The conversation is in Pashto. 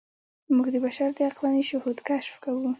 موږ د بشر عقلاني شهود کشف کوو.